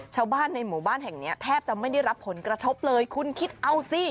ชาวบ้านในหมู่บ้านแห่งเนี้ยแทบจะไม่ได้รับผลกระทบเลยคุณคิดเอาสิ